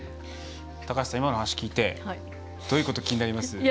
高橋さん、今の話聞いてどういうこと気になります？